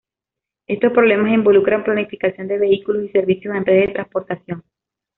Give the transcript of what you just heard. Estos problemas involucran planificación de vehículos y servicios en redes de transportación.